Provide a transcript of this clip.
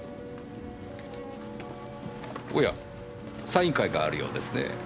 おやサイン会があるようですねぇ。